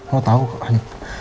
lo tau kan